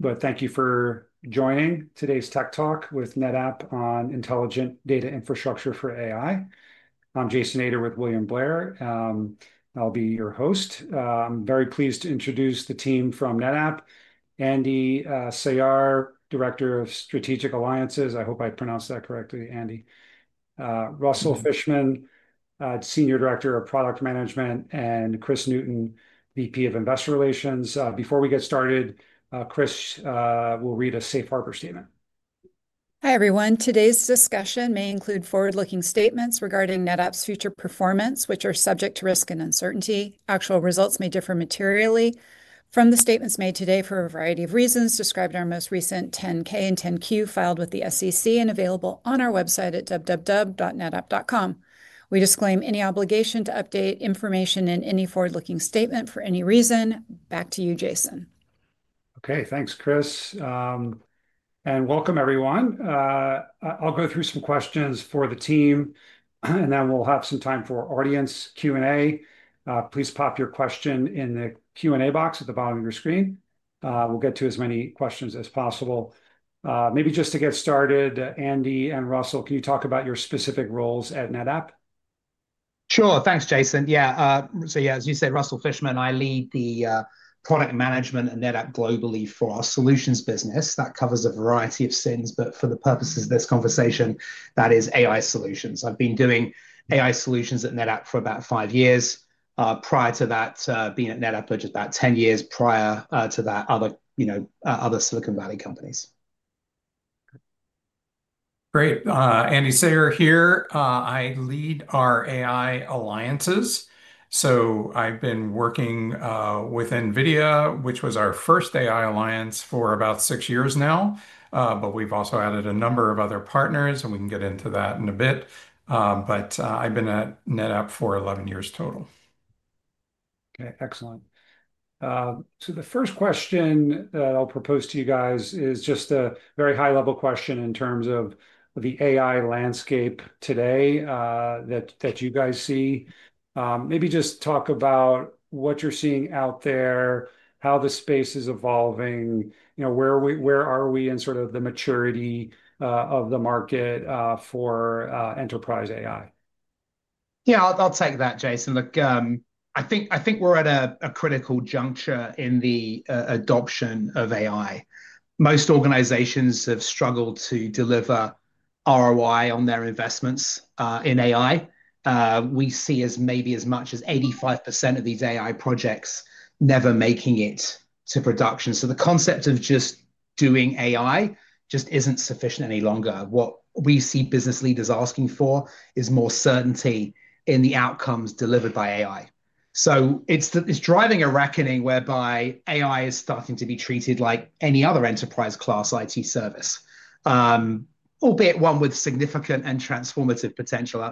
Thank you for joining today's Tech Talk with NetApp on Intelligent Data Infrastructure for AI. I'm Jason Ader with William Blair. I'll be your host. I'm very pleased to introduce the team from NetApp: Andy Sayare, Director of Strategic Alliances. I hope I pronounced that correctly, Andy. Russell Fishman, Senior Director of Product Management, and Kris Newton, VP of Investor Relations. Before we get started, Kris will read a Safe Harbor statement. Hi everyone. Today's discussion may include forward-looking statements regarding NetApp's future performance, which are subject to risk and uncertainty. Actual results may differ materially from the statements made today for a variety of reasons. Please see our most recent 10-K and 10-Q filed with the SEC and available on our website at www.netapp.com. We disclaim any obligation to update information in any forward-looking statement for any reason. Back to you, Jason. Okay, thanks, Kris. Welcome, everyone. I'll go through some questions for the team, and then we'll have some time for audience Q&A. Please pop your question in the Q&A box at the bottom of your screen. We'll get to as many questions as possible. Maybe just to get started, Andy and Russell, can you talk about your specific roles at NetApp? Sure. Thanks, Jason. Yeah. So yeah, as you said, Russell Fishman, I lead the product management at NetApp globally for our solutions business. That covers a variety of SIMs, but for the purposes of this conversation, that is AI solutions. I've been doing AI solutions at NetApp for about five years. Prior to that, being at NetApp for just about 10 years prior to that, other Silicon Valley companies. Great. Andy Sayare here. I lead our AI alliances. I've been working with NVIDIA, which was our first AI alliance, for about six years now. We've also added a number of other partners, and we can get into that in a bit. I've been at NetApp for 11 years total. Okay, excellent. The first question that I'll propose to you guys is just a very high-level question in terms of the AI landscape today that you guys see. Maybe just talk about what you're seeing out there, how the space is evolving, where are we in sort of the maturity of the market for enterprise AI. Yeah, I'll take that, Jason. Look, I think we're at a critical juncture in the adoption of AI. Most organizations have struggled to deliver ROI on their investments in AI. We see as maybe as much as 85% of these AI projects never making it to production. The concept of just doing AI just isn't sufficient any longer. What we see business leaders asking for is more certainty in the outcomes delivered by AI. It's driving a reckoning whereby AI is starting to be treated like any other enterprise-class IT service, albeit one with significant and transformative potential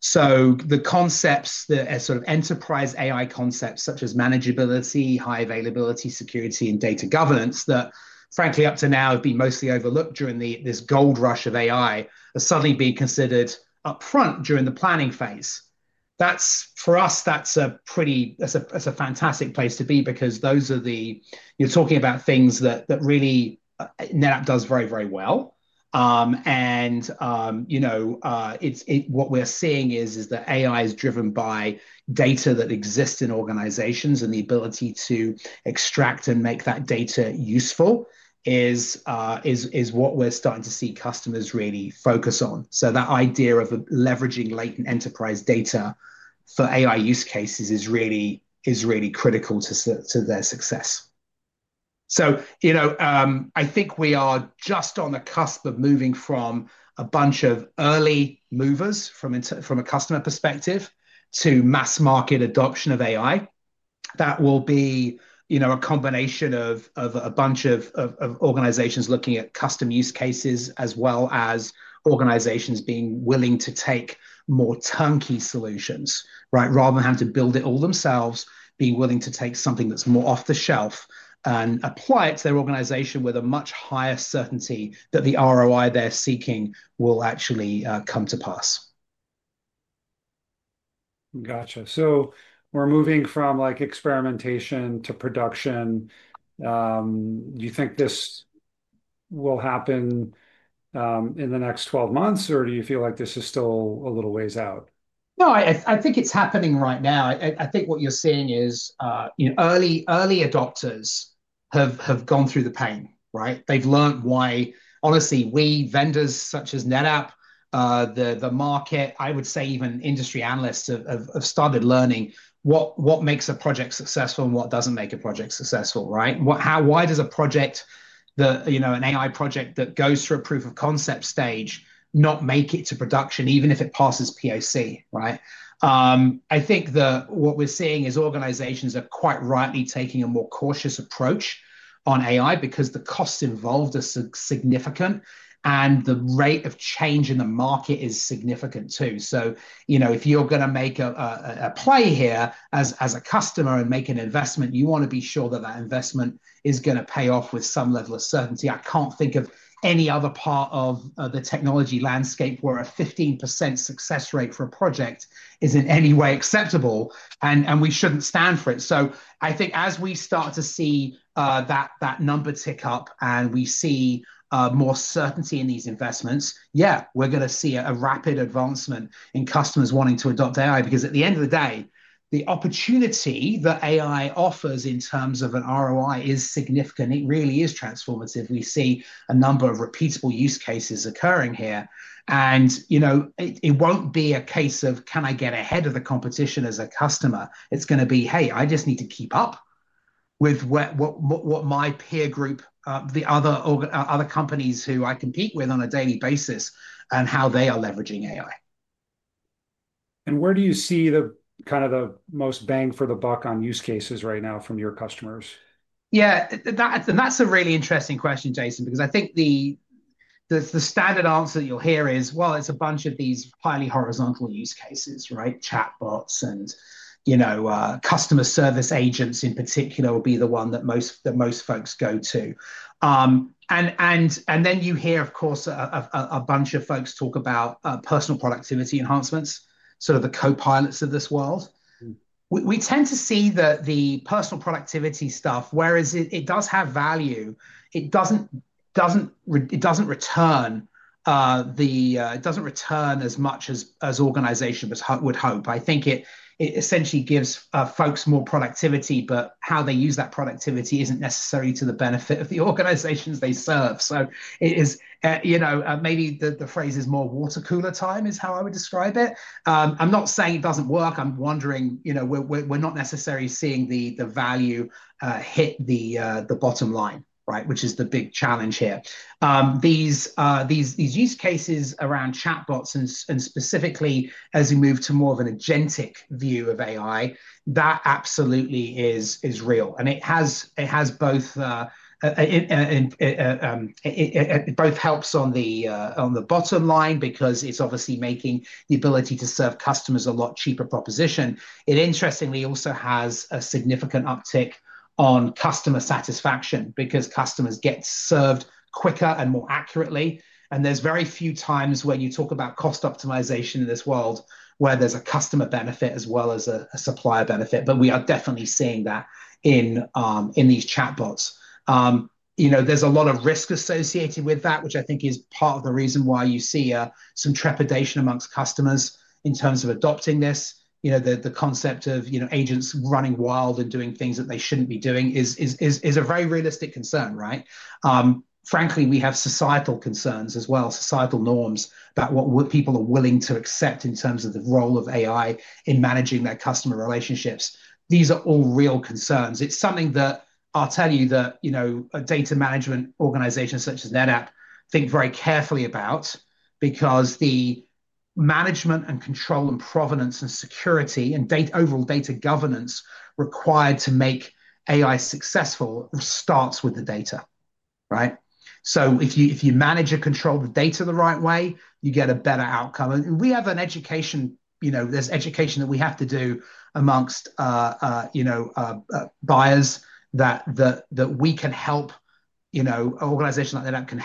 upside. The concepts that are sort of enterprise AI concepts such as manageability, high availability, security, and data governance that, frankly, up to now have been mostly overlooked during this gold rush of AI are suddenly being considered upfront during the planning phase. For us, that's a pretty, that's a fantastic place to be because those are the, you're talking about things that really. NetApp does very, very well. What we're seeing is that AI is driven by data that exists in organizations and the ability to extract and make that data useful is. What we're starting to see customers really focus on. That idea of leveraging latent enterprise data for AI use cases is really. Critical to their success. I think we are just on the cusp of moving from a bunch of early movers from a customer perspective to mass market adoption of AI. That will be a combination of a bunch of organizations looking at custom use cases as well as organizations being willing to take more turnkey solutions, right? Rather than having to build it all themselves, being willing to take something that's more off the shelf and apply it to their organization with a much higher certainty that the ROI they're seeking will actually come to pass. Gotcha. So we're moving from experimentation to production. Do you think this will happen in the next 12 months, or do you feel like this is still a little ways out? No, I think it's happening right now. I think what you're seeing is early adopters have gone through the pain, right? They've learned why. Honestly, we vendors such as NetApp, the market, I would say even industry analysts have started learning what makes a project successful and what doesn't make a project successful, right? Why does a project, an AI project that goes through a proof of concept stage, not make it to production, even if it passes POC, right? I think what we're seeing is organizations are quite rightly taking a more cautious approach on AI because the costs involved are significant and the rate of change in the market is significant too. If you're going to make a play here as a customer and make an investment, you want to be sure that that investment is going to pay off with some level of certainty. I can't think of any other part of the technology landscape where a 15% success rate for a project is in any way acceptable and we shouldn't stand for it. I think as we start to see that number tick up and we see more certainty in these investments, yeah, we're going to see a rapid advancement in customers wanting to adopt AI because at the end of the day, the opportunity that AI offers in terms of an ROI is significant. It really is transformative. We see a number of repeatable use cases occurring here. It won't be a case of, can I get ahead of the competition as a customer? It's going to be, hey, I just need to keep up with what my peer group, the other companies who I compete with on a daily basis, and how they are leveraging AI. Where do you see the kind of the most bang for the buck on use cases right now from your customers? Yeah, and that's a really interesting question, Jason, because I think the standard answer that you'll hear is, well, it's a bunch of these highly horizontal use cases, right? Chatbots and customer service agents in particular will be the one that most folks go to. Then you hear, of course, a bunch of folks talk about personal productivity enhancements, sort of the co-pilots of this world. We tend to see that the personal productivity stuff, whereas it does have value, it doesn't return as much as organizations would hope. I think it essentially gives folks more productivity, but how they use that productivity isn't necessarily to the benefit of the organizations they serve. Maybe the phrase is more water cooler time is how I would describe it. I'm not saying it doesn't work. I'm wondering, we're not necessarily seeing the value hit the bottom line, right? Which is the big challenge here. These use cases around chatbots and specifically as we move to more of an agentic view of AI, that absolutely is real. It has both helps on the bottom line because it's obviously making the ability to serve customers a lot cheaper proposition. It interestingly also has a significant uptick on customer satisfaction because customers get served quicker and more accurately. There's very few times when you talk about cost optimization in this world where there's a customer benefit as well as a supplier benefit. We are definitely seeing that in these chatbots. There's a lot of risk associated with that, which I think is part of the reason why you see some trepidation amongst customers in terms of adopting this. The concept of agents running wild and doing things that they shouldn't be doing is a very realistic concern, right? Frankly, we have societal concerns as well, societal norms about what people are willing to accept in terms of the role of AI in managing their customer relationships. These are all real concerns. It's something that I'll tell you that data management organizations such as NetApp think very carefully about because the management and control and provenance and security and overall data governance required to make AI successful starts with the data, right? If you manage and control the data the right way, you get a better outcome. We have an education, there's education that we have to do amongst buyers that we can help. An organization like NetApp can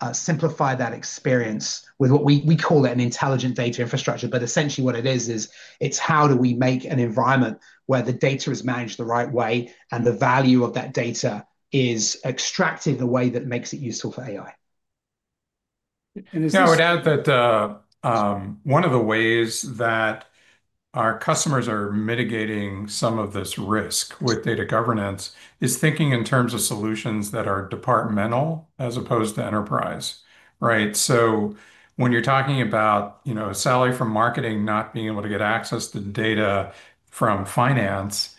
help simplify that experience with what we call an intelligent data infrastructure. Essentially what it is, is it's how do we make an environment where the data is managed the right way and the value of that data is extracted in a way that makes it useful for AI. I would add that. One of the ways that our customers are mitigating some of this risk with data governance is thinking in terms of solutions that are departmental as opposed to enterprise, right? When you're talking about a salary from marketing not being able to get access to data from finance,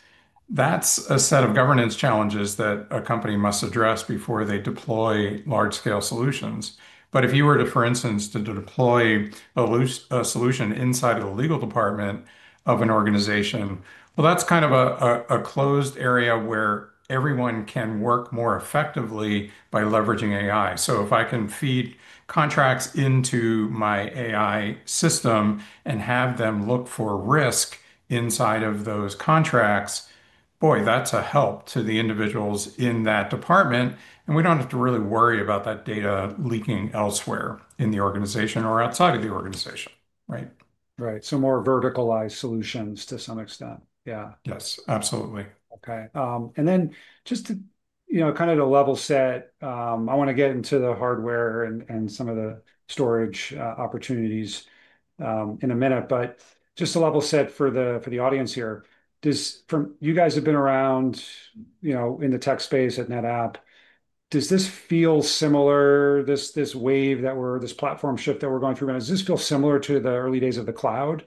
that's a set of governance challenges that a company must address before they deploy large-scale solutions. If you were to, for instance, deploy a solution inside of the legal department of an organization, that's kind of a closed area where everyone can work more effectively by leveraging AI. If I can feed contracts into my AI system and have them look for risk inside of those contracts, boy, that's a help to the individuals in that department. We do not have to really worry about that data leaking elsewhere in the organization or outside of the organization, right? Right. More verticalized solutions to some extent. Yeah. Yes, absolutely. Okay. And then just kind of to level set, I want to get into the hardware and some of the storage opportunities in a minute, but just to level set for the audience here. You guys have been around in the tech space at NetApp. Does this feel similar, this wave that we're, this platform shift that we're going through? Does this feel similar to the early days of the cloud?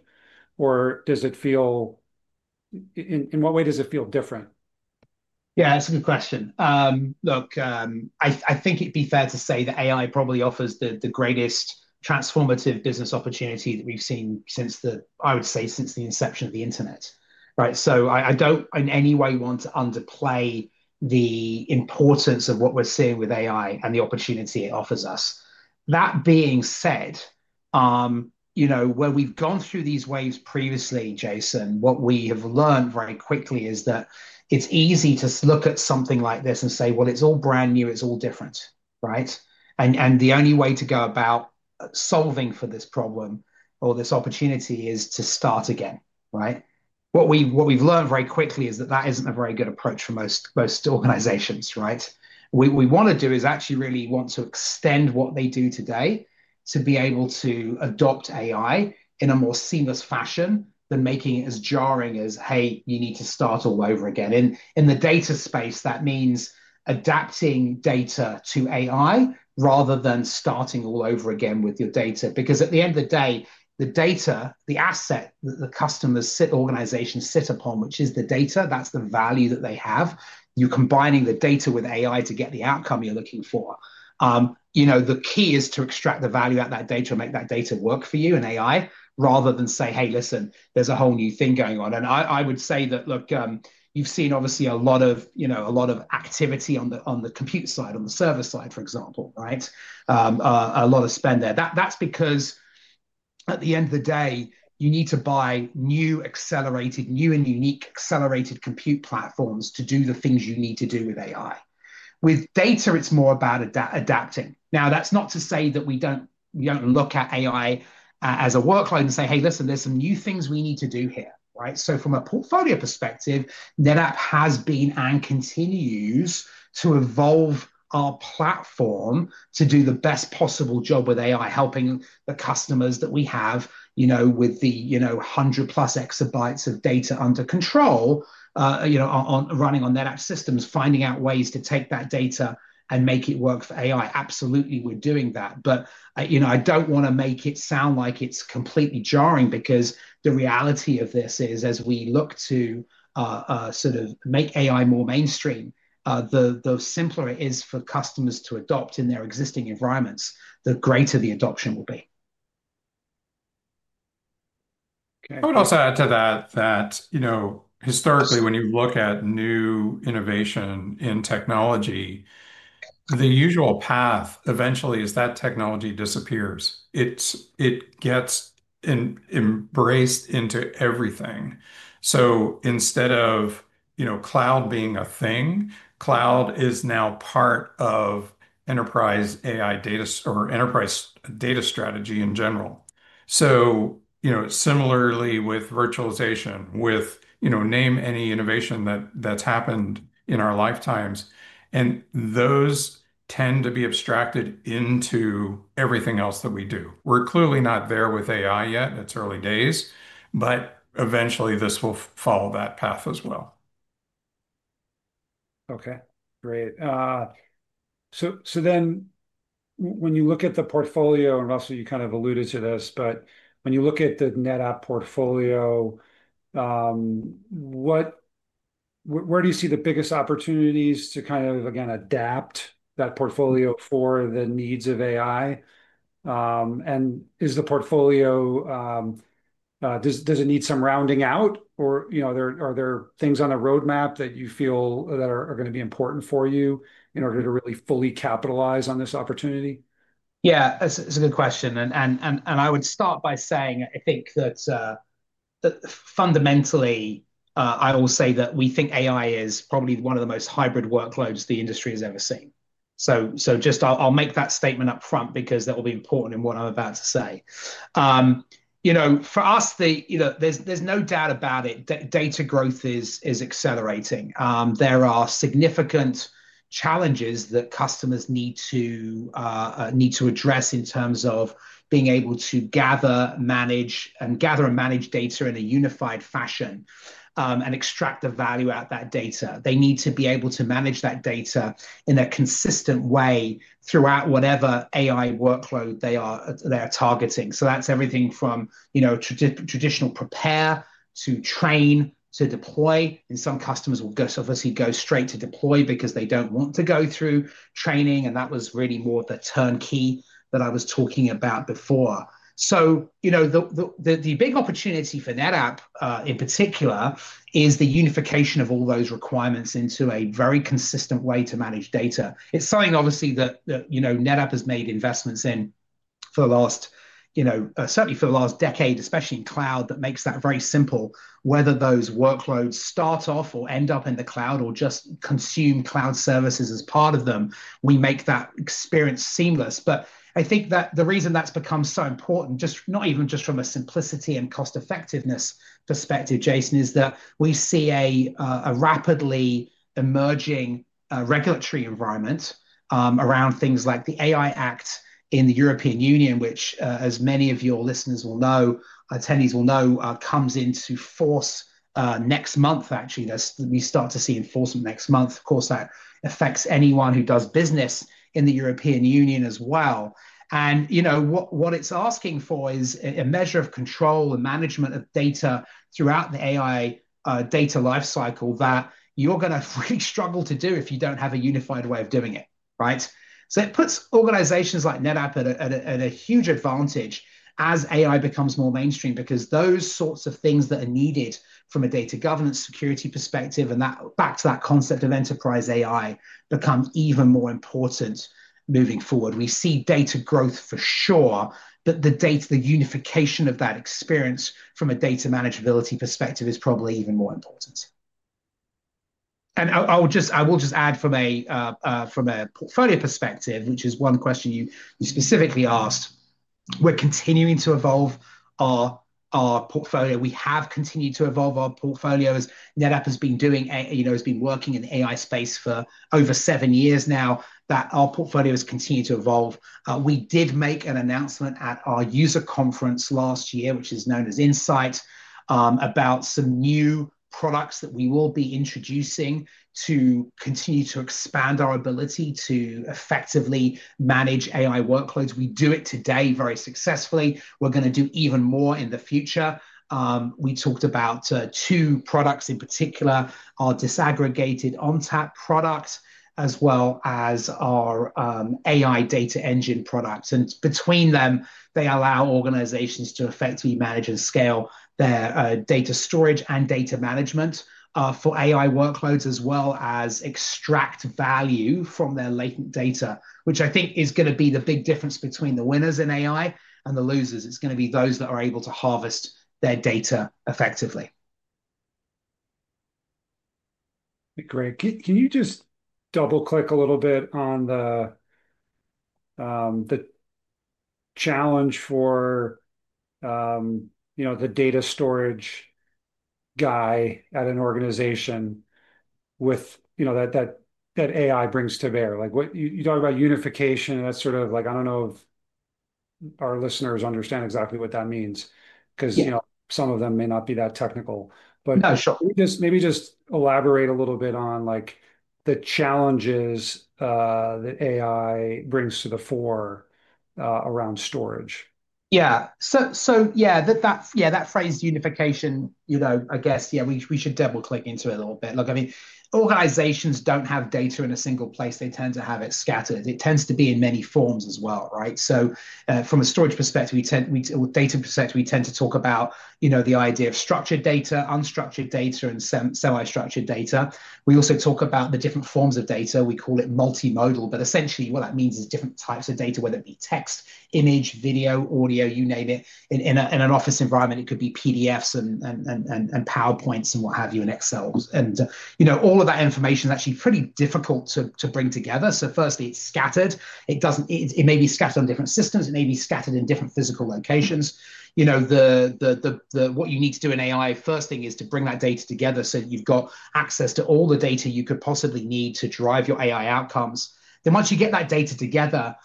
Or does it feel, in what way does it feel different? Yeah, that's a good question. Look, I think it'd be fair to say that AI probably offers the greatest transformative business opportunity that we've seen since, I would say, since the inception of the internet, right? I don't in any way want to underplay the importance of what we're seeing with AI and the opportunity it offers us. That being said, where we've gone through these waves previously, Jason, what we have learned very quickly is that it's easy to look at something like this and say, well, it's all brand new, it's all different, right? The only way to go about solving for this problem or this opportunity is to start again, right? What we've learned very quickly is that that isn't a very good approach for most organizations, right? What we want to do is actually really want to extend what they do today to be able to adopt AI in a more seamless fashion than making it as jarring as, hey, you need to start all over again. In the data space, that means adapting data to AI rather than starting all over again with your data. Because at the end of the day, the data, the asset that the customers sit, organizations sit upon, which is the data, that's the value that they have. You're combining the data with AI to get the outcome you're looking for. The key is to extract the value out of that data and make that data work for you in AI rather than say, hey, listen, there's a whole new thing going on. I would say that, look, you've seen obviously a lot of. Activity on the compute side, on the server side, for example, right? A lot of spend there. That's because at the end of the day, you need to buy new, accelerated, new and unique accelerated compute platforms to do the things you need to do with AI. With data, it's more about adapting. Now, that's not to say that we don't look at AI as a workload and say, hey, listen, there's some new things we need to do here, right? From a portfolio perspective, NetApp has been and continues to evolve our platform to do the best possible job with AI, helping the customers that we have with the 100 plus exabytes of data under control. Running on NetApp systems, finding out ways to take that data and make it work for AI. Absolutely, we're doing that. I do not want to make it sound like it is completely jarring because the reality of this is, as we look to sort of make AI more mainstream, the simpler it is for customers to adopt in their existing environments, the greater the adoption will be. I would also add to that. Historically, when you look at new innovation in technology, the usual path eventually is that technology disappears. It gets embraced into everything. Instead of cloud being a thing, cloud is now part of enterprise AI data or enterprise data strategy in general. Similarly with virtualization, with name any innovation that's happened in our lifetimes, and those tend to be abstracted into everything else that we do. We're clearly not there with AI yet. It's early days, but eventually this will follow that path as well. Okay, great. When you look at the portfolio, and Russell, you kind of alluded to this, but when you look at the NetApp portfolio, where do you see the biggest opportunities to kind of, again, adapt that portfolio for the needs of AI? And is the portfolio, does it need some rounding out? Are there things on the roadmap that you feel that are going to be important for you in order to really fully capitalize on this opportunity? Yeah, it's a good question. I would start by saying, I think that fundamentally, I will say that we think AI is probably one of the most hybrid workloads the industry has ever seen. I will make that statement upfront because that will be important in what I'm about to say. For us, there's no doubt about it. Data growth is accelerating. There are significant challenges that customers need to address in terms of being able to gather, manage, and gather and manage data in a unified fashion and extract the value out of that data. They need to be able to manage that data in a consistent way throughout whatever AI workload they are targeting. That's everything from traditional prepare to train to deploy. Some customers will obviously go straight to deploy because they don't want to go through training. That was really more the turnkey that I was talking about before. The big opportunity for NetApp in particular is the unification of all those requirements into a very consistent way to manage data. It is something obviously that NetApp has made investments in for the last, certainly for the last decade, especially in cloud, that makes that very simple. Whether those workloads start off or end up in the cloud or just consume cloud services as part of them, we make that experience seamless. I think that the reason that has become so important, not even just from a simplicity and cost-effectiveness perspective, Jason, is that we see a rapidly emerging regulatory environment around things like the AI Act in the European Union, which, as many of your listeners will know, attendees will know, comes into force next month, actually. We start to see enforcement next month. Of course, that affects anyone who does business in the European Union as well. What it's asking for is a measure of control and management of data throughout the AI data lifecycle that you're going to really struggle to do if you don't have a unified way of doing it, right? It puts organizations like NetApp at a huge advantage as AI becomes more mainstream because those sorts of things that are needed from a data governance security perspective and back to that concept of enterprise AI become even more important moving forward. We see data growth for sure, but the data, the unification of that experience from a data manageability perspective is probably even more important. I will just add from a portfolio perspective, which is one question you specifically asked. We're continuing to evolve our portfolio. We have continued to evolve our portfolio as NetApp has been doing, has been working in the AI space for over seven years now that our portfolio has continued to evolve. We did make an announcement at our user conference last year, which is known as Insight, about some new products that we will be introducing to continue to expand our ability to effectively manage AI workloads. We do it today very successfully. We're going to do even more in the future. We talked about two products in particular, our disaggregated ONTAP product, as well as our AI Data Engine product. And between them, they allow organizations to effectively manage and scale their data storage and data management for AI workloads, as well as extract value from their latent data, which I think is going to be the big difference between the winners in AI and the losers. It's going to be those that are able to harvest their data effectively. Great. Can you just double-click a little bit on the challenge for the data storage guy at an organization with that AI brings to bear? You talk about unification and that's sort of like, I do not know if our listeners understand exactly what that means because some of them may not be that technical. But maybe just elaborate a little bit on the challenges that AI brings to the fore around storage. Yeah. So yeah, that phrase unification, I guess, yeah, we should double-click into it a little bit. Look, I mean, organizations don't have data in a single place. They tend to have it scattered. It tends to be in many forms as well, right? From a storage perspective, data perspective, we tend to talk about the idea of structured data, unstructured data, and semi-structured data. We also talk about the different forms of data. We call it multimodal. Essentially, what that means is different types of data, whether it be text, image, video, audio, you name it. In an office environment, it could be PDFs and PowerPoints and what have you in Excel. All of that information is actually pretty difficult to bring together. Firstly, it's scattered. It may be scattered on different systems. It may be scattered in different physical locations. What you need to do in AI, first thing is to bring that data together so that you've got access to all the data you could possibly need to drive your AI outcomes. Once you get that data together,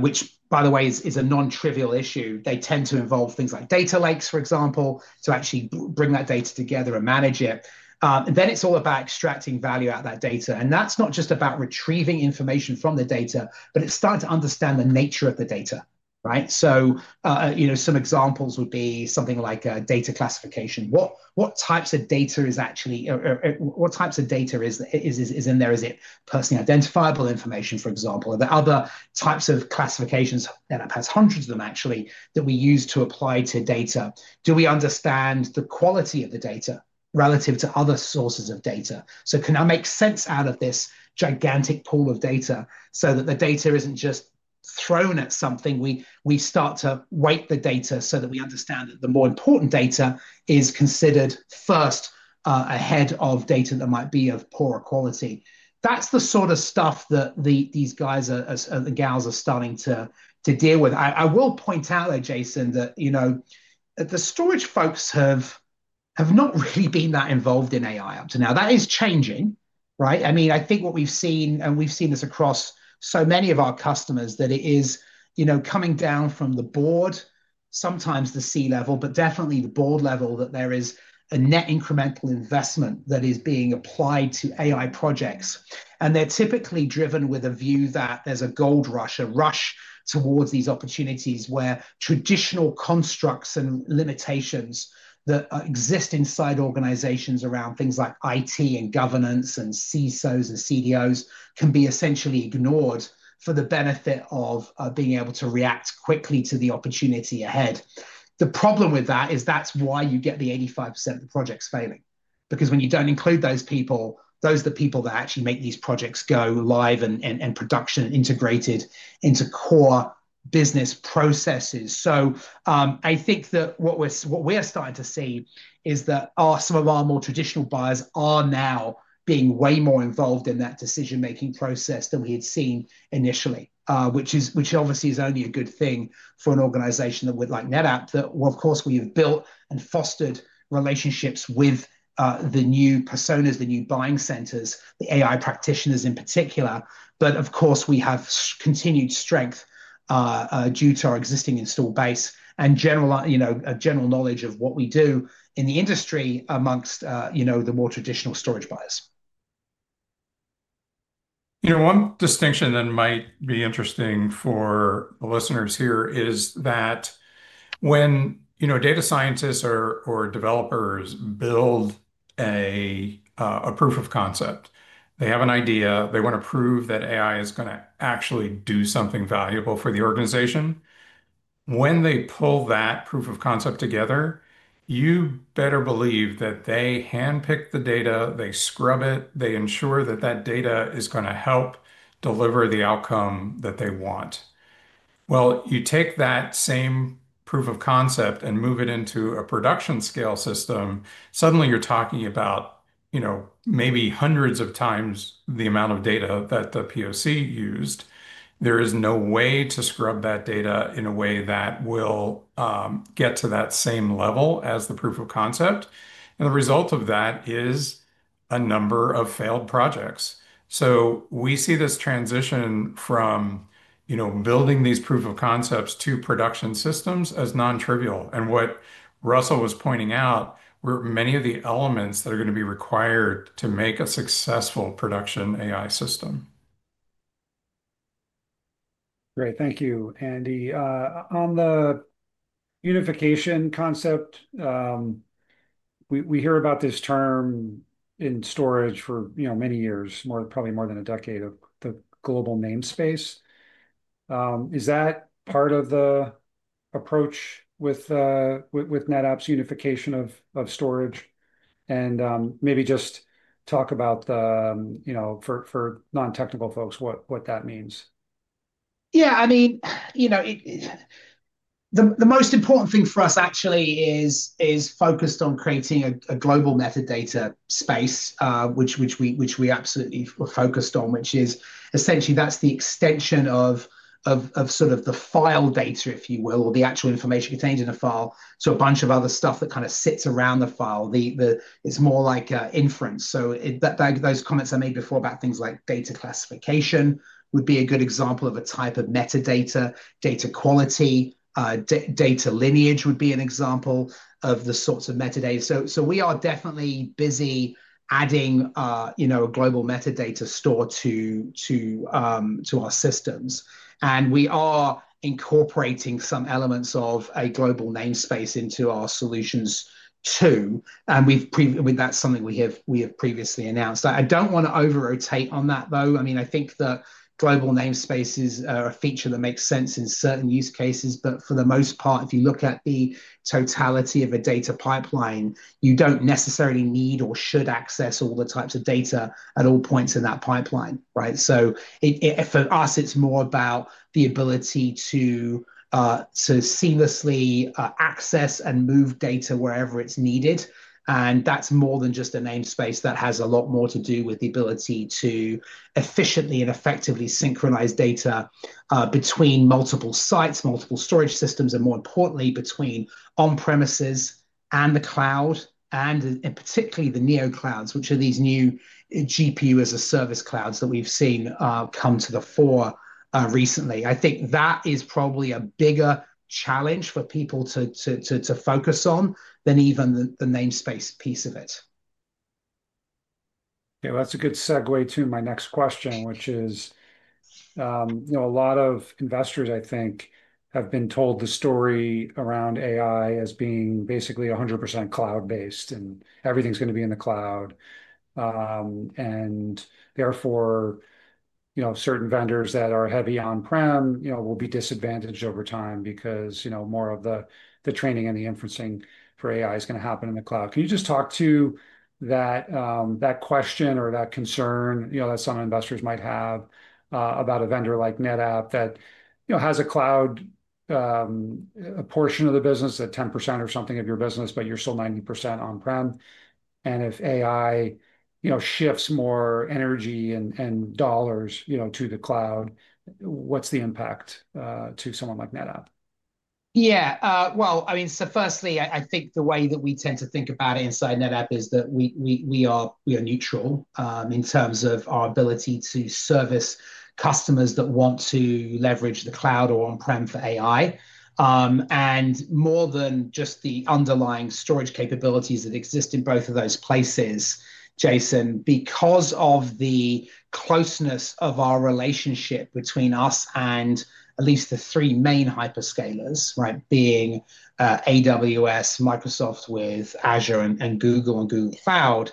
which by the way is a non-trivial issue, they tend to involve things like data lakes, for example, to actually bring that data together and manage it. It is all about extracting value out of that data. That is not just about retrieving information from the data, but it is starting to understand the nature of the data, right? Some examples would be something like data classification. What types of data is actually, what types of data is in there? Is it personally identifiable information, for example? Are there other types of classifications? NetApp has hundreds of them, actually, that we use to apply to data. Do we understand the quality of the data relative to other sources of data? Can I make sense out of this gigantic pool of data so that the data is not just thrown at something? We start to weight the data so that we understand that the more important data is considered first, ahead of data that might be of poorer quality. That is the sort of stuff that these guys and gals are starting to deal with. I will point out there, Jason, that the storage folks have not really been that involved in AI up to now. That is changing, right? I mean, I think what we have seen, and we have seen this across so many of our customers, is that it is coming down from the board, sometimes the C-level, but definitely the board level, that there is a net incremental investment that is being applied to AI projects. They're typically driven with a view that there's a gold rush, a rush towards these opportunities where traditional constructs and limitations that exist inside organizations around things like IT and governance and CISOs and CDOs can be essentially ignored for the benefit of being able to react quickly to the opportunity ahead. The problem with that is that's why you get the 85% of the projects failing. Because when you don't include those people, those are the people that actually make these projects go live and production integrated into core business processes. I think that what we are starting to see is that some of our more traditional buyers are now being way more involved in that decision-making process than we had seen initially, which obviously is only a good thing for an organization like NetApp that, well, of course, we have built and fostered relationships with the new personas, the new buying centers, the AI practitioners in particular. Of course, we have continued strength due to our existing install base and general knowledge of what we do in the industry amongst the more traditional storage buyers. One distinction that might be interesting for the listeners here is that when data scientists or developers build a proof of concept, they have an idea, they want to prove that AI is going to actually do something valuable for the organization. When they pull that proof of concept together, you better believe that they handpick the data, they scrub it, they ensure that that data is going to help deliver the outcome that they want. You take that same proof of concept and move it into a production scale system. Suddenly, you're talking about maybe hundreds of times the amount of data that the POC used. There is no way to scrub that data in a way that will get to that same level as the proof of concept. The result of that is a number of failed projects. We see this transition from. Building these proof of concepts to production systems is non-trivial. What Russell was pointing out, many of the elements that are going to be required to make a successful production AI system. Great. Thank you, Andy. On the unification concept. We hear about this term in storage for many years, probably more than a decade, of the global namespace. Is that part of the approach with NetApp's unification of storage? And maybe just talk about, for non-technical folks, what that means. Yeah. I mean, the most important thing for us actually is focused on creating a global metadata space, which we absolutely were focused on, which is essentially the extension of sort of the file data, if you will, or the actual information contained in a file. So a bunch of other stuff that kind of sits around the file. It's more like inference. Those comments I made before about things like data classification would be a good example of a type of metadata, data quality. Data lineage would be an example of the sorts of metadata. We are definitely busy adding a global metadata store to our systems. We are incorporating some elements of a global namespace into our solutions too. That is something we have previously announced. I don't want to overrotate on that, though. I mean, I think the global namespace is a feature that makes sense in certain use cases. But for the most part, if you look at the totality of a data pipeline, you do not necessarily need or should access all the types of data at all points in that pipeline, right? For us, it is more about the ability to seamlessly access and move data wherever it is needed. That is more than just a namespace. That has a lot more to do with the ability to efficiently and effectively synchronize data between multiple sites, multiple storage systems, and more importantly, between on-premises and the cloud, and particularly the Neo clouds, which are these new GPU as a service clouds that we have seen come to the fore recently. I think that is probably a bigger challenge for people to focus on than even the namespace piece of it. Yeah. That's a good segue to my next question, which is. A lot of investors, I think, have been told the story around AI as being basically 100% cloud-based and everything's going to be in the cloud. Therefore, certain vendors that are heavy on-prem will be disadvantaged over time because more of the training and the inferencing for AI is going to happen in the cloud. Can you just talk to that question or that concern that some investors might have about a vendor like NetApp that has a cloud portion of the business, a 10% or something of your business, but you're still 90% on-prem? If AI shifts more energy and dollars to the cloud, what's the impact to someone like NetApp? Yeah. I mean, firstly, I think the way that we tend to think about it inside NetApp is that we are neutral in terms of our ability to service customers that want to leverage the cloud or on-prem for AI. More than just the underlying storage capabilities that exist in both of those places, Jason, because of the closeness of our relationship between us and at least the three main hyperscalers, right, being AWS, Microsoft with Azure, and Google and Google Cloud,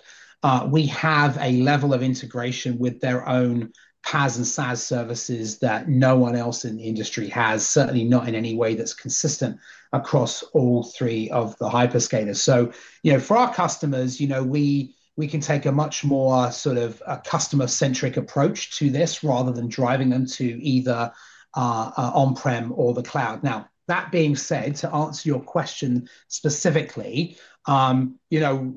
we have a level of integration with their own PaaS and SaaS services that no one else in the industry has, certainly not in any way that's consistent across all three of the hyperscalers. For our customers, we can take a much more sort of customer-centric approach to this rather than driving them to either on-prem or the cloud. Now, that being said, to answer your question specifically. We've all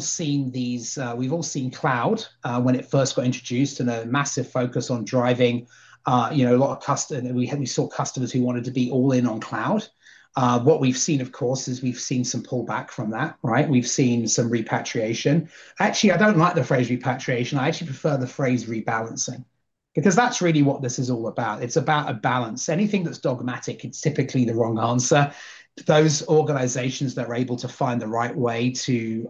seen these, we've all seen cloud when it first got introduced and a massive focus on driving. A lot of customers, we saw customers who wanted to be all in on cloud. What we've seen, of course, is we've seen some pullback from that, right? We've seen some repatriation. Actually, I don't like the phrase repatriation. I actually prefer the phrase rebalancing because that's really what this is all about. It's about a balance. Anything that's dogmatic, it's typically the wrong answer. Those organizations that are able to find the right way to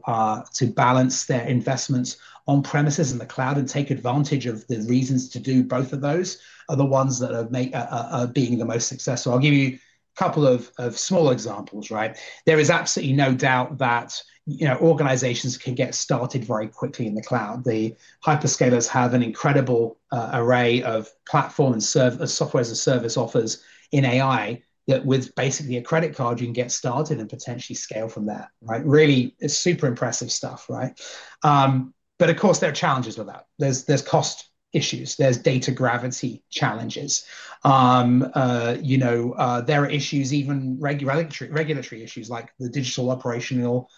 balance their investments on-premises in the cloud and take advantage of the reasons to do both of those are the ones that are being the most successful. I'll give you a couple of small examples, right? There is absolutely no doubt that. Organizations can get started very quickly in the cloud. The hyperscalers have an incredible array of platform and software as a service offers in AI that with basically a credit card, you can get started and potentially scale from there, right? Really, it's super impressive stuff, right? Of course, there are challenges with that. There are cost issues. There are data gravity challenges. There are issues, even regulatory issues like the Digital Operational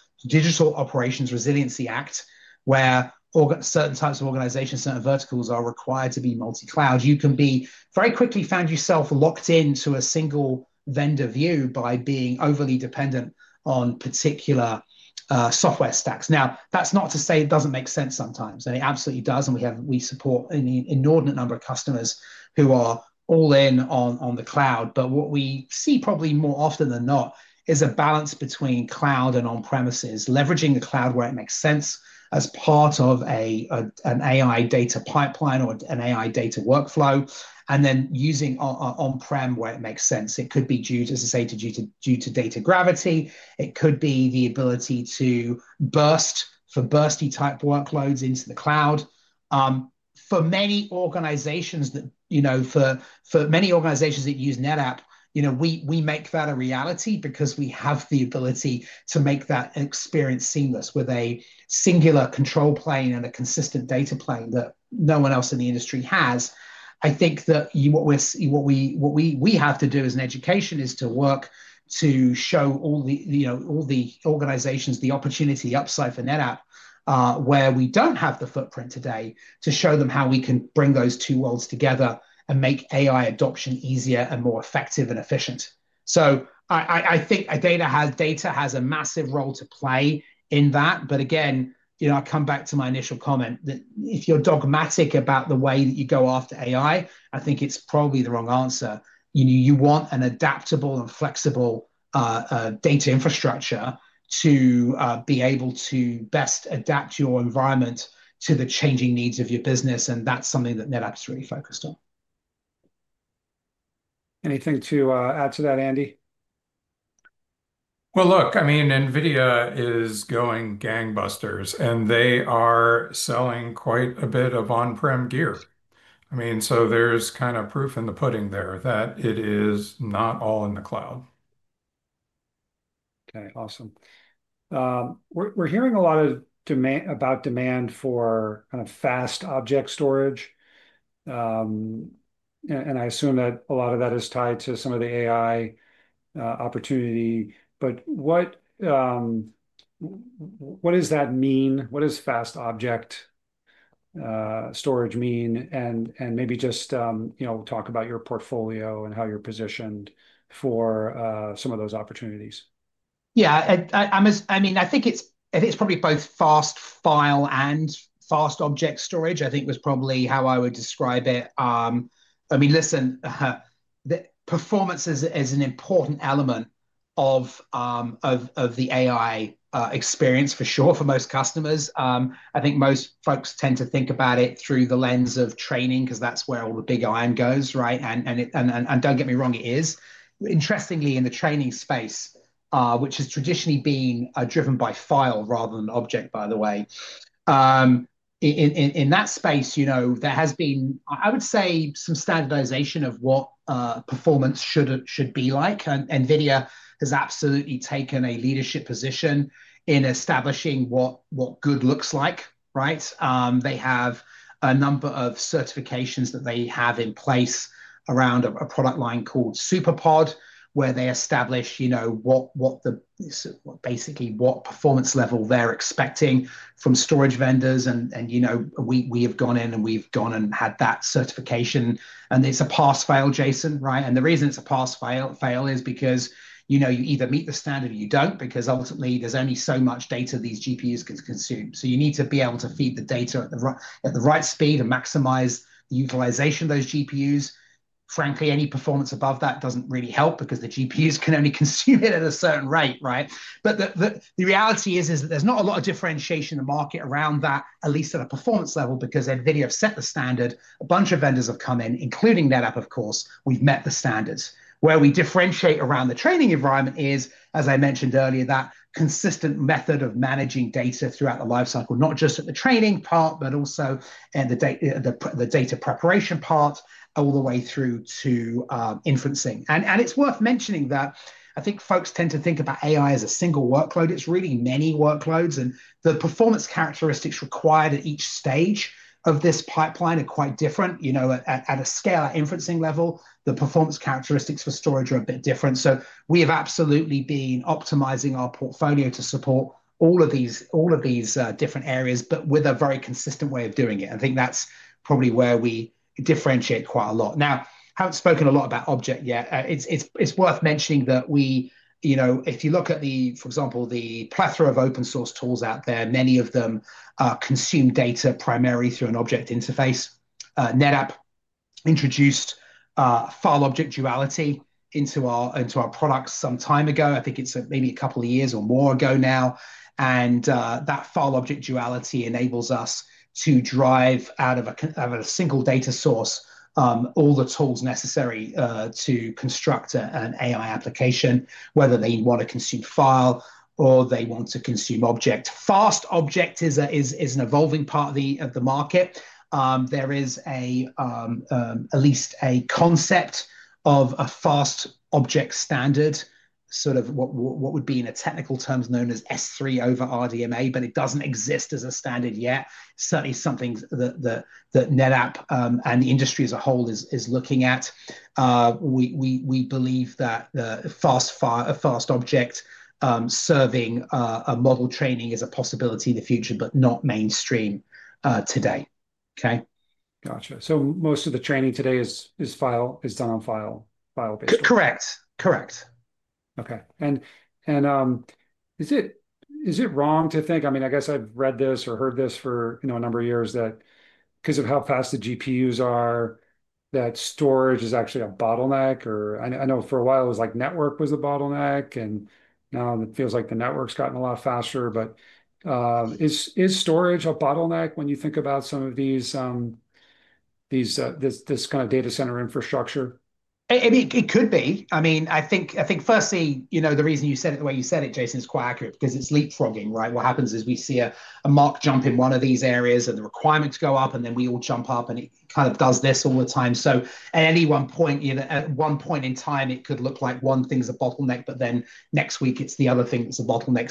Resiliency Act, where certain types of organizations, certain verticals are required to be multi-cloud. You can very quickly find yourself locked into a single vendor view by being overly dependent on particular software stacks. Now, that's not to say it doesn't make sense sometimes. It absolutely does. We support an inordinate number of customers who are all in on the cloud. What we see probably more often than not is a balance between cloud and on-premises, leveraging the cloud where it makes sense as part of an AI data pipeline or an AI data workflow, and then using on-prem where it makes sense. It could be due, as I say, to data gravity. It could be the ability to burst for bursty type workloads into the cloud. For many organizations that use NetApp, we make that a reality because we have the ability to make that experience seamless with a singular control plane and a consistent data plane that no one else in the industry has. I think that what we have to do as an education is to work to show all the. Organizations the opportunity, the upside for NetApp, where we don't have the footprint today, to show them how we can bring those two worlds together and make AI adoption easier and more effective and efficient. I think data has a massive role to play in that. Again, I come back to my initial comment that if you're dogmatic about the way that you go after AI, I think it's probably the wrong answer. You want an adaptable and flexible data infrastructure to be able to best adapt your environment to the changing needs of your business. That's something that NetApp is really focused on. Anything to add to that, Andy? I mean, NVIDIA is going gangbusters, and they are selling quite a bit of on-prem gear. I mean, so there's kind of proof in the pudding there that it is not all in the cloud. Okay. Awesome. We're hearing a lot about demand for kind of fast object storage. I assume that a lot of that is tied to some of the AI opportunity. What does that mean? What does fast object storage mean? Maybe just talk about your portfolio and how you're positioned for some of those opportunities. Yeah. I mean, I think it's probably both fast file and fast object storage. I think it was probably how I would describe it. I mean, listen. Performance is an important element of the AI experience for sure for most customers. I think most folks tend to think about it through the lens of training because that's where all the big iron goes, right? And don't get me wrong, it is. Interestingly, in the training space, which has traditionally been driven by file rather than object, by the way, in that space, there has been, I would say, some standardization of what performance should be like. NVIDIA has absolutely taken a leadership position in establishing what good looks like, right? They have a number of certifications that they have in place around a product line called SuperPOD, where they establish basically what performance level they're expecting from storage vendors. We have gone in and we've gone and had that certification. It's a pass/fail, Jason, right? The reason it's a pass/fail is because you either meet the standard or you don't because ultimately there's only so much data these GPUs can consume. You need to be able to feed the data at the right speed and maximize the utilization of those GPUs. Frankly, any performance above that doesn't really help because the GPUs can only consume it at a certain rate, right? The reality is that there's not a lot of differentiation in the market around that, at least at a performance level, because NVIDIA have set the standard. A bunch of vendors have come in, including NetApp, of course. We've met the standards. Where we differentiate around the training environment is, as I mentioned earlier, that consistent method of managing data throughout the lifecycle, not just at the training part, but also the data preparation part all the way through to inferencing. And it is worth mentioning that I think folks tend to think about AI as a single workload. It is really many workloads. The performance characteristics required at each stage of this pipeline are quite different. At a scale, at inferencing level, the performance characteristics for storage are a bit different. We have absolutely been optimizing our portfolio to support all of these different areas, but with a very consistent way of doing it. I think that is probably where we differentiate quite a lot. Now, I have not spoken a lot about object yet. It is worth mentioning that. If you look at, for example, the plethora of open-source tools out there, many of them consume data primarily through an object interface. NetApp introduced file object duality into our products some time ago. I think it's maybe a couple of years or more ago now. And that file object duality enables us to drive out of a single data source all the tools necessary to construct an AI application, whether they want to consume file or they want to consume object. Fast object is an evolving part of the market. There is at least a concept of a fast object standard, sort of what would be in technical terms known as S3 over RDMA, but it doesn't exist as a standard yet. Certainly something that NetApp and the industry as a whole is looking at. We believe that fast object. Serving a model training is a possibility in the future, but not mainstream today. Okay. Gotcha. So most of the training today is done on file-based? Correct. Correct. Okay. And. Is it wrong to think, I mean, I guess I've read this or heard this for a number of years that because of how fast the GPUs are, that storage is actually a bottleneck? Or I know for a while it was like network was the bottleneck, and now it feels like the network's gotten a lot faster. But. Is storage a bottleneck when you think about some of these. Kind of data center infrastructure? It could be. I mean, I think firstly, the reason you said it the way you said it, Jason, is quite accurate because it's leapfrogging, right? What happens is we see a mark jump in one of these areas, and the requirements go up, and then we all jump up, and it kind of does this all the time. At any one point. At one point in time, it could look like one thing's a bottleneck, but then next week, it's the other thing that's a bottleneck.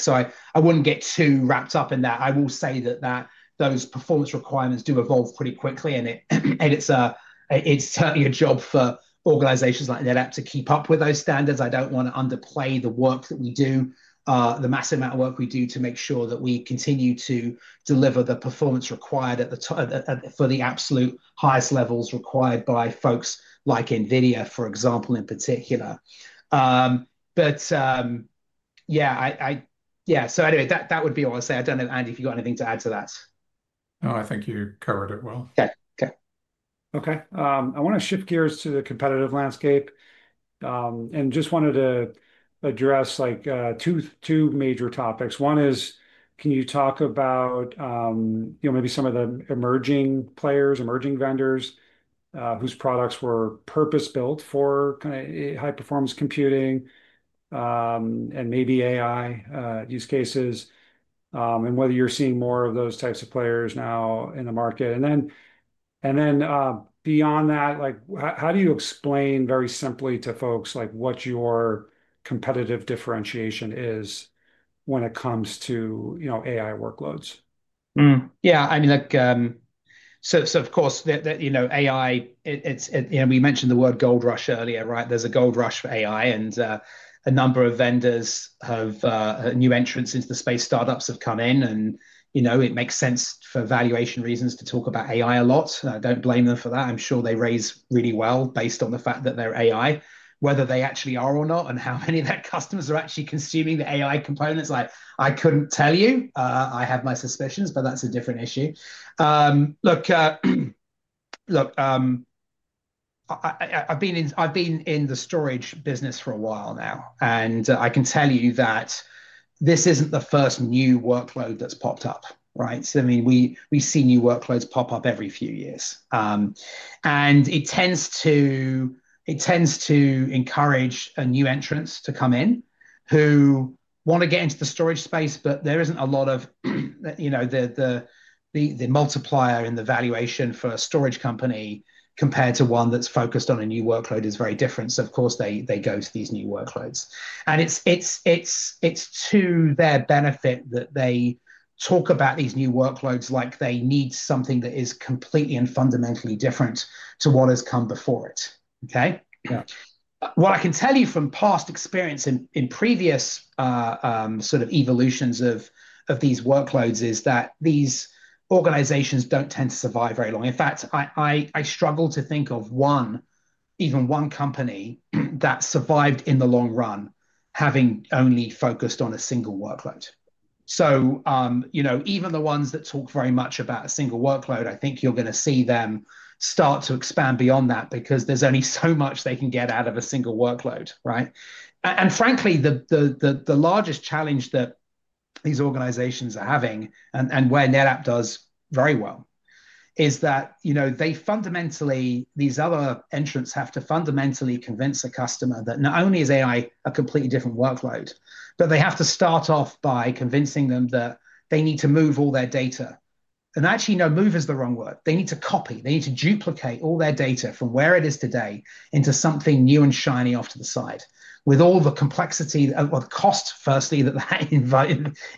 I wouldn't get too wrapped up in that. I will say that those performance requirements do evolve pretty quickly, and it's certainly a job for organizations like NetApp to keep up with those standards. I don't want to underplay the work that we do, the massive amount of work we do to make sure that we continue to deliver the performance required for the absolute highest levels required by folks like NVIDIA, for example, in particular. Yeah. Yeah. Anyway, that would be all I'd say. I don't know, Andy, if you've got anything to add to that. No, I think you covered it well. Okay. Okay. Okay. I want to shift gears to the competitive landscape. I just wanted to address two major topics. One is, can you talk about maybe some of the emerging players, emerging vendors, whose products were purpose-built for kind of high-performance computing and maybe AI use cases, and whether you're seeing more of those types of players now in the market. Beyond that, how do you explain very simply to folks what your competitive differentiation is when it comes to AI workloads? Yeah. I mean. Of course, AI, we mentioned the word gold rush earlier, right? There's a gold rush for AI, and a number of vendors, new entrants into the space, startups have come in, and it makes sense for valuation reasons to talk about AI a lot. I don't blame them for that. I'm sure they raise really well based on the fact that they're AI. Whether they actually are or not, and how many of their customers are actually consuming the AI components, I couldn't tell you. I have my suspicions, but that's a different issue. Look. I've been in the storage business for a while now, and I can tell you that. This isn't the first new workload that's popped up, right? I mean, we see new workloads pop up every few years. It tends to. Encourage a new entrant to come in who want to get into the storage space, but there isn't a lot of. The multiplier in the valuation for a storage company compared to one that's focused on a new workload is very different. Of course, they go to these new workloads. It's to their benefit that they talk about these new workloads like they need something that is completely and fundamentally different to what has come before it. Okay? What I can tell you from past experience in previous sort of evolutions of these workloads is that these organizations don't tend to survive very long. In fact, I struggle to think of even one company that survived in the long run having only focused on a single workload. Even the ones that talk very much about a single workload, I think you're going to see them start to expand beyond that because there's only so much they can get out of a single workload, right? Frankly, the largest challenge that these organizations are having, and where NetApp does very well, is that these other entrants have to fundamentally convince a customer that not only is AI a completely different workload, but they have to start off by convincing them that they need to move all their data. Actually, no, move is the wrong word. They need to copy. They need to duplicate all their data from where it is today into something new and shiny off to the side, with all the complexity or the cost, firstly, that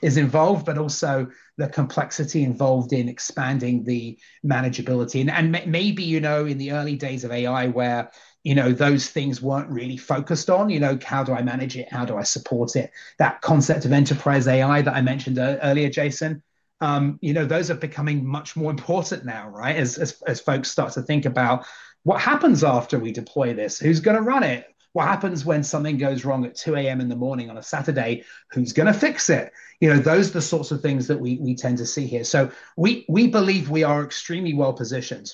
is involved, but also the complexity involved in expanding the manageability. Maybe in the early days of AI, where those things were not really focused on, how do I manage it? How do I support it? That concept of enterprise AI that I mentioned earlier, Jason. Those are becoming much more important now, right? As folks start to think about what happens after we deploy this, who is going to run it? What happens when something goes wrong at 2:00 A.M. in the morning on a Saturday? Who is going to fix it? Those are the sorts of things that we tend to see here. We believe we are extremely well positioned.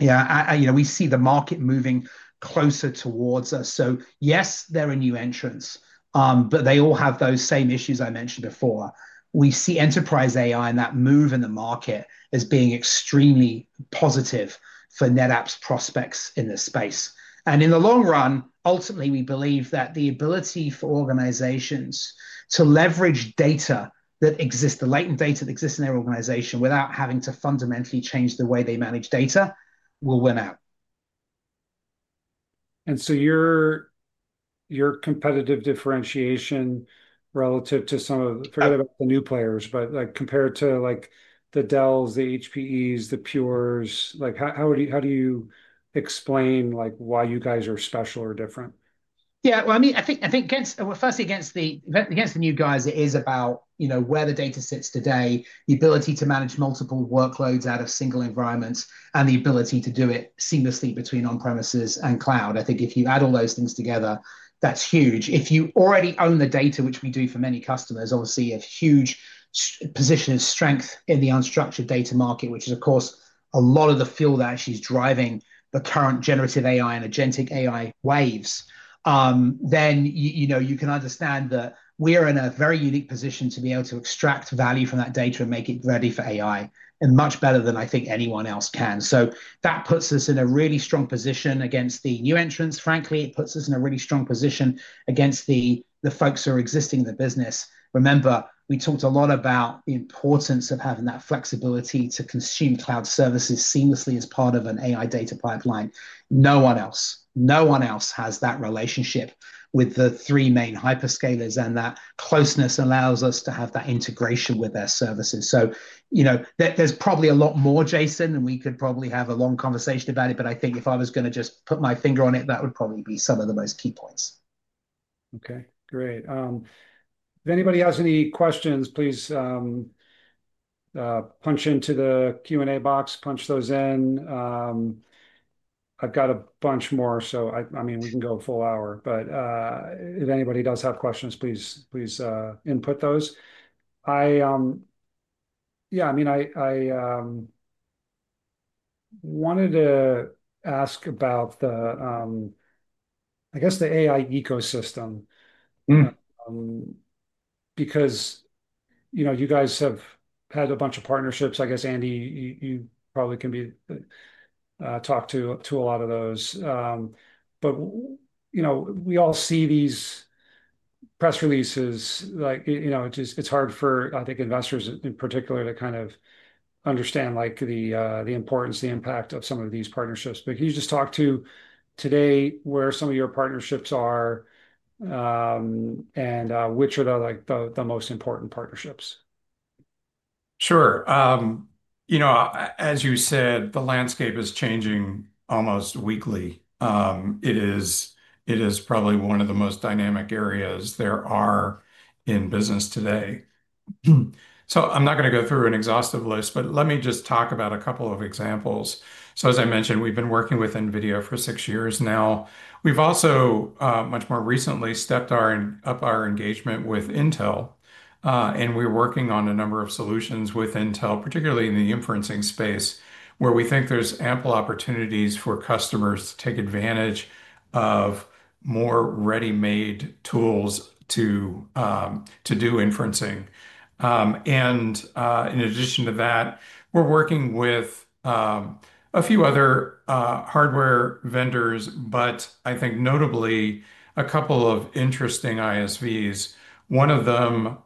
Yeah. We see the market moving closer towards us. Yes, they are a new entrant, but they all have those same issues I mentioned before. We see enterprise AI and that move in the market as being extremely positive for NetApp's prospects in this space. In the long run, ultimately, we believe that the ability for organizations to leverage data that exists, the latent data that exists in their organization without having to fundamentally change the way they manage data will win out. Your competitive differentiation relative to some of the—forget about the new players—but compared to the Dells, the HPEs, the Pures? How do you explain why you guys are special or different? Yeah. I mean, I think firstly, against the new guys, it is about where the data sits today, the ability to manage multiple workloads out of single environments, and the ability to do it seamlessly between on-premises and cloud. I think if you add all those things together, that's huge. If you already own the data, which we do for many customers, obviously a huge position of strength in the unstructured data market, which is, of course, a lot of the fuel that actually is driving the current generative AI and agentic AI waves. Then you can understand that we are in a very unique position to be able to extract value from that data and make it ready for AI and much better than I think anyone else can. That puts us in a really strong position against the new entrants. Frankly, it puts us in a really strong position against the folks who are existing in the business. Remember, we talked a lot about the importance of having that flexibility to consume cloud services seamlessly as part of an AI data pipeline. No one else. No one else has that relationship with the three main hyperscalers, and that closeness allows us to have that integration with their services. There is probably a lot more, Jason, and we could probably have a long conversation about it, but I think if I was going to just put my finger on it, that would probably be some of the most key points. Okay. Great. If anybody has any questions, please punch into the Q&A box, punch those in. I've got a bunch more, so I mean, we can go a full hour. If anybody does have questions, please input those. Yeah. I mean, I wanted to ask about, I guess, the AI ecosystem. Because you guys have had a bunch of partnerships. I guess, Andy, you probably can be talked to a lot of those. We all see these press releases. It's hard for, I think, investors in particular to kind of understand the importance, the impact of some of these partnerships. Can you just talk to today where some of your partnerships are and which are the most important partnerships? Sure. As you said, the landscape is changing almost weekly. It is probably one of the most dynamic areas there are in business today. I'm not going to go through an exhaustive list, but let me just talk about a couple of examples. As I mentioned, we've been working with NVIDIA for six years now. We've also, much more recently, stepped up our engagement with Intel. We're working on a number of solutions with Intel, particularly in the inferencing space, where we think there's ample opportunities for customers to take advantage of more ready-made tools to do inferencing. In addition to that, we're working with a few other hardware vendors, but I think notably a couple of interesting ISVs. One of them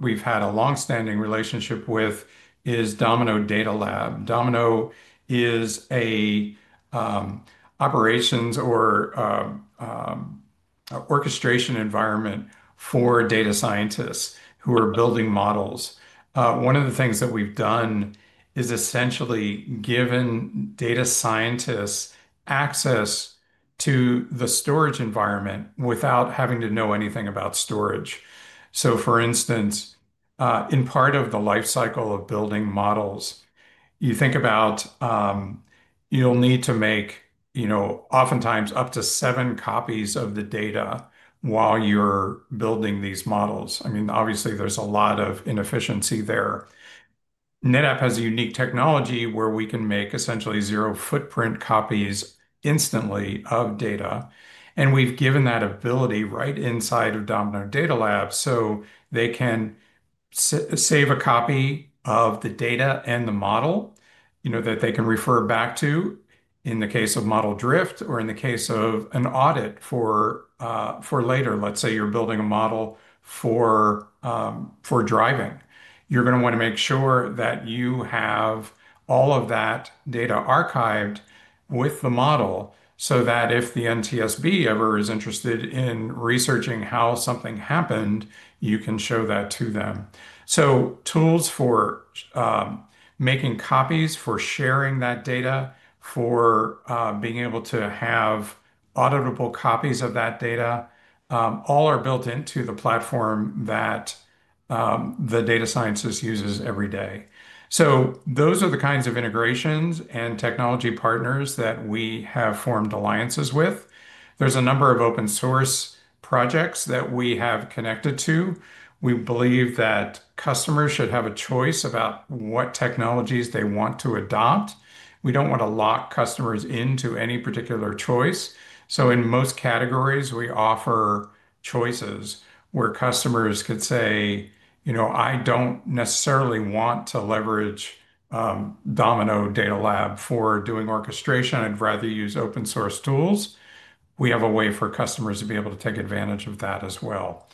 we've had a long-standing relationship with is Domino Data Lab. Domino is an operations or orchestration environment for data scientists who are building models. One of the things that we've done is essentially given data scientists access to the storage environment without having to know anything about storage. For instance, in part of the lifecycle of building models, you think about, you'll need to make oftentimes up to seven copies of the data while you're building these models. I mean, obviously, there's a lot of inefficiency there. NetApp has a unique technology where we can make essentially zero-footprint copies instantly of data. We've given that ability right inside of Domino Data Lab so they can save a copy of the data and the model that they can refer back to in the case of model drift or in the case of an audit for later. Let's say you're building a model for driving. You're going to want to make sure that you have all of that data archived with the model so that if the NTSB ever is interested in researching how something happened, you can show that to them. Tools for making copies, for sharing that data, for being able to have auditable copies of that data, all are built into the platform that the data scientists use every day. Those are the kinds of integrations and technology partners that we have formed alliances with. There are a number of open-source projects that we have connected to. We believe that customers should have a choice about what technologies they want to adopt. We do not want to lock customers into any particular choice. In most categories, we offer choices where customers could say, "I do not necessarily want to leverage Domino Data Lab for doing orchestration. I'd rather use open-source tools." We have a way for customers to be able to take advantage of that as well.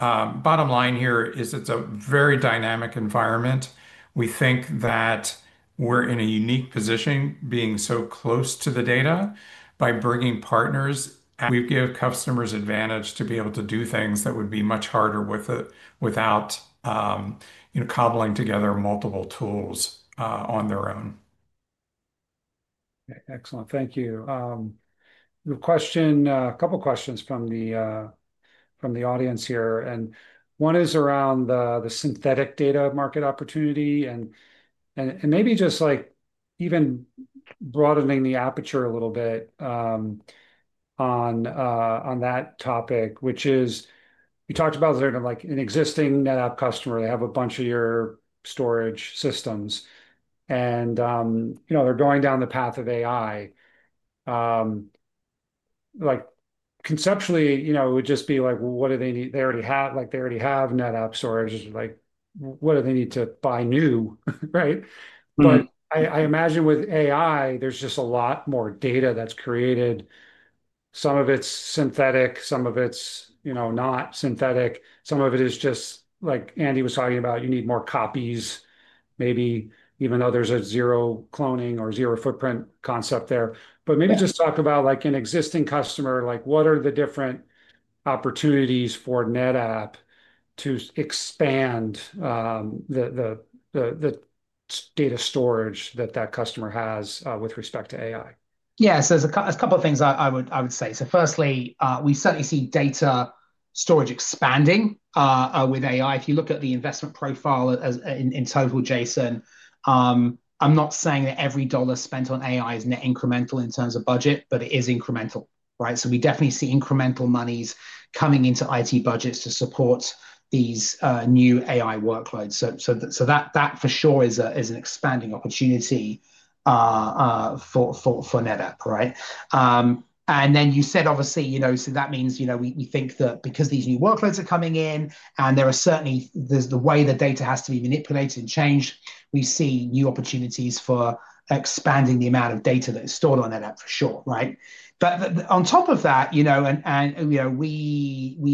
Bottom line here is it's a very dynamic environment. We think that we're in a unique position being so close to the data by bringing partners. We give customers advantage to be able to do things that would be much harder without cobbling together multiple tools on their own. Okay. Excellent. Thank you. A couple of questions from the audience here. One is around the synthetic data market opportunity. Maybe just even broadening the aperture a little bit on that topic, which is you talked about an existing NetApp customer. They have a bunch of your storage systems, and they're going down the path of AI. Conceptually, it would just be like, "What do they need?" They already have NetApp storage. What do they need to buy new, right? I imagine with AI, there's just a lot more data that's created. Some of it's synthetic, some of it's not synthetic. Some of it is just, like Andy was talking about, you need more copies, maybe, even though there's a zero-cloning or zero-footprint concept there. Maybe just talk about an existing customer, what are the different opportunities for NetApp to expand. Data storage that customer has with respect to AI? Yeah. There are a couple of things I would say. Firstly, we certainly see data storage expanding with AI. If you look at the investment profile in total, Jason, I'm not saying that every dollar spent on AI is incremental in terms of budget, but it is incremental, right? We definitely see incremental monies coming into IT budgets to support these new AI workloads. That for sure is an expanding opportunity for NetApp, right? You said, obviously, that means we think that because these new workloads are coming in and there are certainly the way the data has to be manipulated and changed, we see new opportunities for expanding the amount of data that is stored on NetApp for sure, right? On top of that, we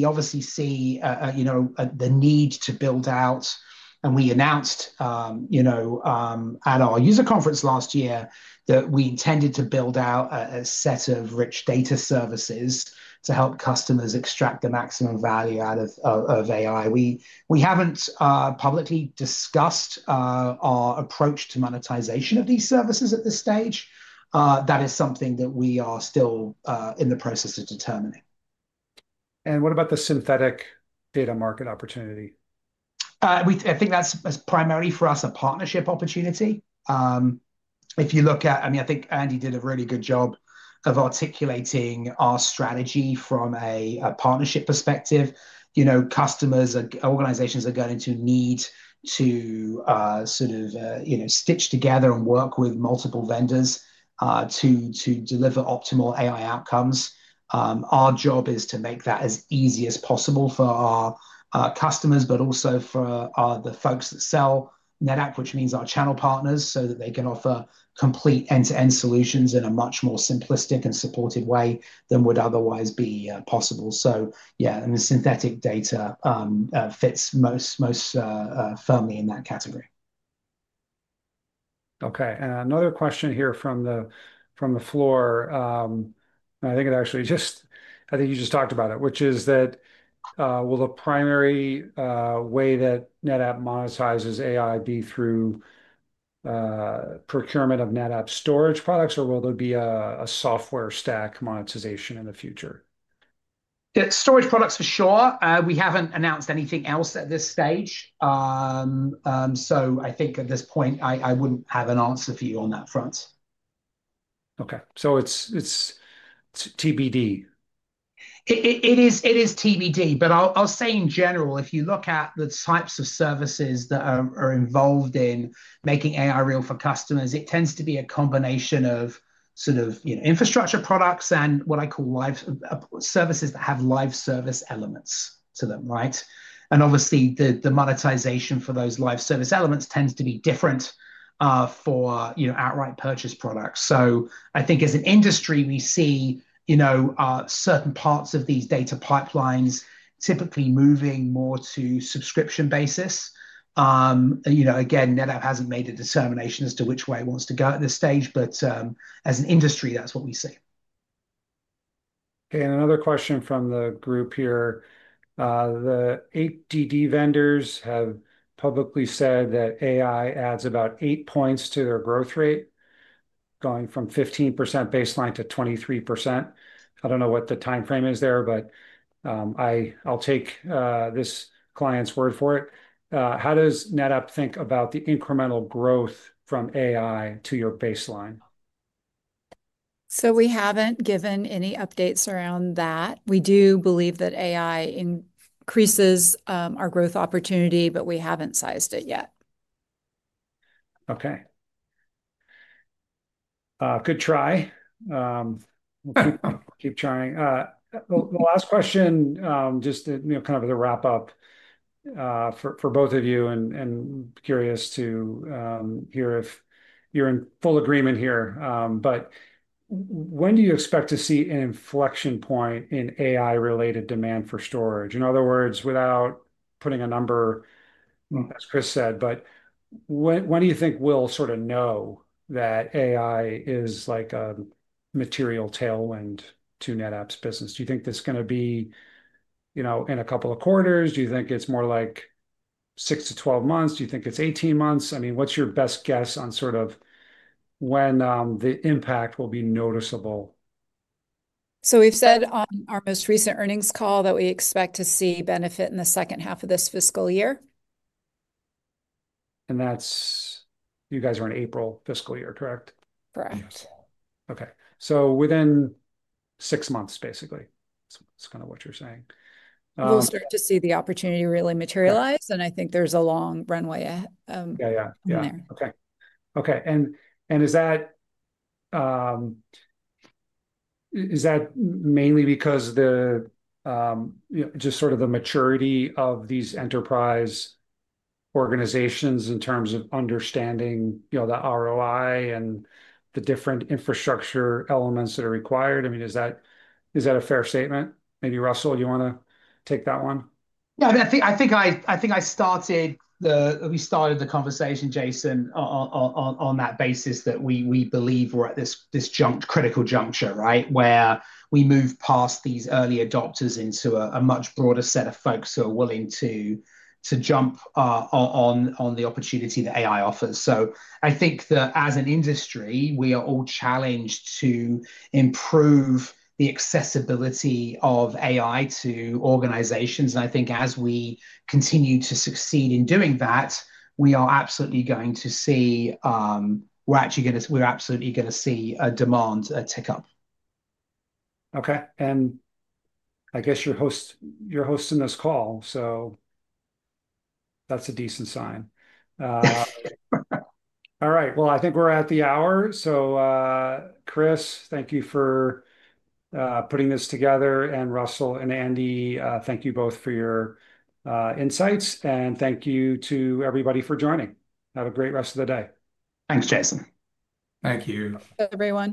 obviously see the need to build out, and we announced. At our user conference last year that we intended to build out a set of rich data services to help customers extract the maximum value out of AI. We haven't publicly discussed our approach to monetization of these services at this stage. That is something that we are still in the process of determining. What about the synthetic data market opportunity? I think that's primarily for us a partnership opportunity. If you look at, I mean, I think Andy did a really good job of articulating our strategy from a partnership perspective. Customers and organizations are going to need to sort of stitch together and work with multiple vendors to deliver optimal AI outcomes. Our job is to make that as easy as possible for our customers, but also for the folks that sell NetApp, which means our channel partners, so that they can offer complete end-to-end solutions in a much more simplistic and supportive way than would otherwise be possible. Yeah, I mean, synthetic data fits most firmly in that category. Okay. Another question here from the floor. I think it actually just, I think you just talked about it, which is that, will the primary way that NetApp monetizes AI be through procurement of NetApp storage products, or will there be a software stack monetization in the future? Storage products for sure. We haven't announced anything else at this stage. I think at this point, I wouldn't have an answer for you on that front. Okay. So it's TBD? It is TBD, but I'll say in general, if you look at the types of services that are involved in making AI real for customers, it tends to be a combination of sort of infrastructure products and what I call services that have live service elements to them, right? Obviously, the monetization for those live service elements tends to be different for outright purchase products. I think as an industry, we see certain parts of these data pipelines typically moving more to subscription basis. Again, NetApp hasn't made a determination as to which way it wants to go at this stage, but as an industry, that's what we see. Okay. Another question from the group here. The 8DD vendors have publicly said that AI adds about eight points to their growth rate, going from 15% baseline to 23%. I do not know what the timeframe is there, but I will take this client's word for it. How does NetApp think about the incremental growth from AI to your baseline? We have not given any updates around that. We do believe that AI increases our growth opportunity, but we have not sized it yet. Okay. Good try. We'll keep trying. The last question, just kind of the wrap-up. For both of you, and curious to hear if you're in full agreement here. When do you expect to see an inflection point in AI-related demand for storage? In other words, without putting a number, as Kris said, when do you think we'll sort of know that AI is like a material tailwind to NetApp's business? Do you think this is going to be in a couple of quarters? Do you think it's more like 6 to 12 months? Do you think it's 18 months? I mean, what's your best guess on sort of when the impact will be noticeable? We have said on our most recent earnings call that we expect to see benefit in the second half of this fiscal year. You guys are in April fiscal year, correct? Correct. Yes. Okay. So within six months, basically. That's kind of what you're saying. We'll start to see the opportunity really materialize, and I think there's a long runway in there. Yeah. Okay. Is that mainly because just sort of the maturity of these enterprise organizations in terms of understanding the ROI and the different infrastructure elements that are required? I mean, is that a fair statement? Maybe Russell, you want to take that one? Yeah. I think I started the conversation, Jason, on that basis that we believe we're at this critical juncture, right, where we move past these early adopters into a much broader set of folks who are willing to jump on the opportunity that AI offers. I think that as an industry, we are all challenged to improve the accessibility of AI to organizations. I think as we continue to succeed in doing that, we are absolutely going to see a demand tick up. Okay. And. I guess you're hosting this call, so. That's a decent sign. All right. I think we're at the hour. Kris, thank you for putting this together. And Russell and Andy, thank you both for your insights. And thank you to everybody for joining. Have a great rest of the day. Thanks, Jason. Thank you. Thank you, everyone.